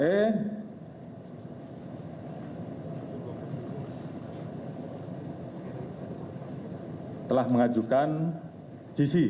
yang telah mengajukan gc